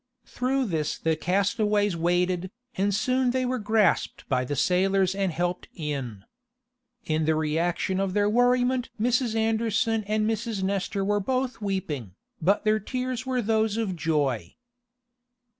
Through this the castaways waded, and soon they were grasped by the sailors and helped in. In the reaction of their worriment Mrs. Anderson and Mrs. Nestor were both weeping, but their tears were those of joy.